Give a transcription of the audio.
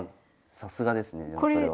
さすがですねでもそれは。